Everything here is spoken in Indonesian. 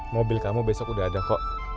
mobil kamu besok udah ada kok